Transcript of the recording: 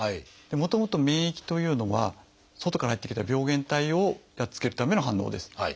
もともと免疫というのは外からやって来た病原体をやっつけるための反応です。